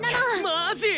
マジ！？